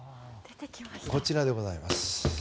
こちらでございます。